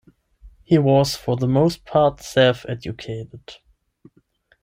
He was for the most part self-educated.